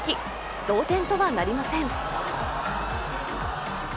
同点とはなりません。